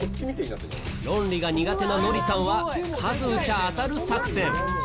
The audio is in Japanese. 論理が苦手なノリさんは数撃ちゃ当たる作戦。